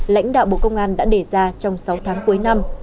lãnh đạo bộ công an đã đề ra trong sáu tháng cuối năm